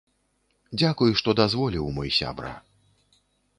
Дзякуй, што дазволіў, мой сябра!